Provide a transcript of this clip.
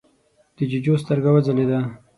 د جُوجُو سترګه وځلېده: